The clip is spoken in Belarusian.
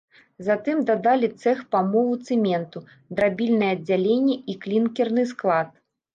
Затым дадалі цэх памолу цэменту, драбільнае аддзяленне і клінкерны склад.